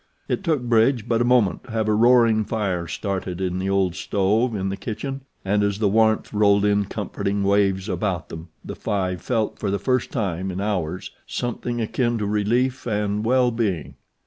It took Bridge but a moment to have a roaring fire started in the old stove in the kitchen, and as the warmth rolled in comforting waves about them the five felt for the first time in hours something akin to relief and well being.